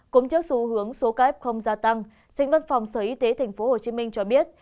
cũng trước xu hướng số ca ép không gia tăng sĩnh văn phòng sở y tế tp hcm cho biết